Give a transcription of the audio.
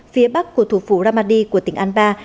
phía bắc của thủ phủ ramadi của tỉnh anbar